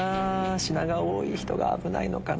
品が多い人が危ないのかな。